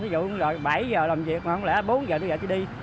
ví dụ bảy h làm việc mà không lẽ bốn h tới giờ chứ đi